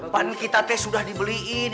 pan kita teh sudah dibeliin